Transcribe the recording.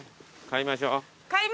買いましょう。